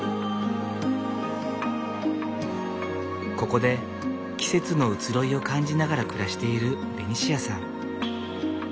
ここで季節の移ろいを感じながら暮らしているベニシアさん。